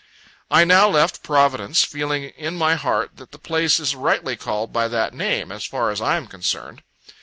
I now left Providence, feeling in my heart that the place is rightly called by that name, as far as I am concerned.